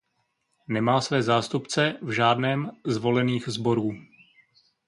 Nemá své zástupce v žádném z volených sborů.